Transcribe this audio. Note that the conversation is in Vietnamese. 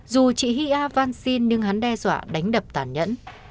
dù chị hia văn xin nhưng hắn đe dọa đánh đập tàn nhẫn